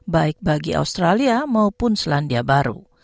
baik bagi australia maupun selandia baru